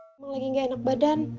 emang lagi gak enak badan